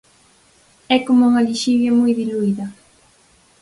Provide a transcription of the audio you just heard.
É como unha lixivia moi diluída.